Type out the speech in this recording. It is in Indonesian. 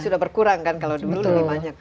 sudah berkurang kan kalau dulu lebih banyak